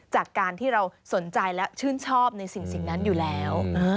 จากการที่เราสนใจและชื่นชอบในสิ่งนั้นอยู่แล้ว